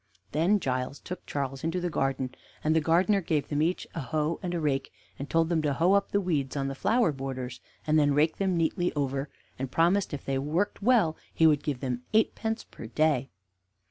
Then Giles took Charles into the garden, and the gardener gave them each a hoe and a rake, and told them to hoe up the weeds on the flower borders, and then rake them neatly over, and promised if they worked well he would give them eight pence per day.